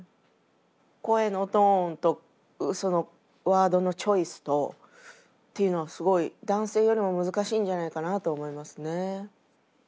声のトーンとそのワードのチョイスとっていうのがすごい男性よりも難しいんじゃないかなと思いますね。